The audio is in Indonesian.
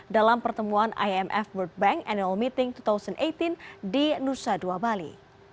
dalam pertemuan imf world bank annual meeting dua ribu delapan belas di nusa dua bali